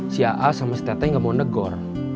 si aa sama si tete gak mau negor